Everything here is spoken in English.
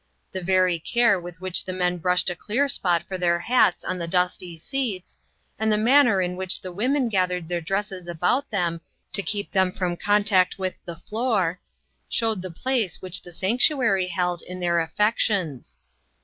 The very care with which the men brushed a clear spot for their hats on the dusty seats, and the manner in which the women gath ered their dresses about them, to keep them from contact with the floor, showed the place which the sanctuary held in their af fections.